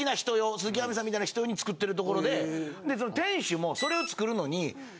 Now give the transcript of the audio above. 鈴木亜美さんみたいな人用に作ってるところででその店主もそれを作るのに。